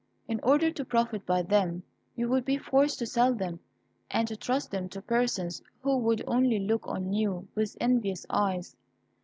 In order to profit by them you would be forced to sell them, and to trust them to persons who would only look on you with envious eyes.